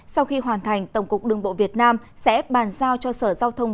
sau khi hoàn thành tổng cục đường bộ việt nam sẽ bàn giao cho sở giao thông